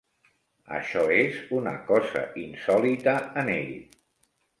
Això és una cosa insòlita en ell.